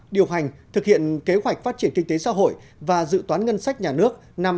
điều hành thực hiện kế hoạch phát triển kinh tế xã hội và dự toán ngân sách nhà nước năm hai nghìn hai mươi